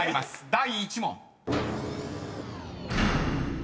第１問］